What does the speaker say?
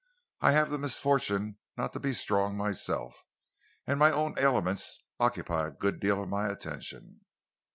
I have the misfortune not to be strong myself, and my own ailments occupy a good deal of my attention."